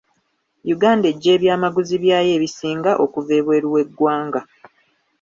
Uganda eggya ebyamaguzi byayo ebisinga okuva ebweru w'eggwanga.